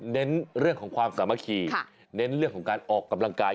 เน้นเรื่องของความสามัคคีเน้นเรื่องของการออกกำลังกาย